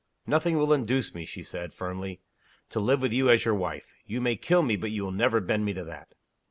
"Nothing will induce me," she said, firmly, "to live with you as your wife. You may kill me but you will never bend me to that."